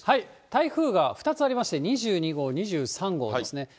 台風が２つありまして、２２号、２３号ありますね。